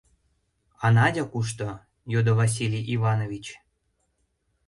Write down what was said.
— А Надя кушто? — йодо Василий Иванович.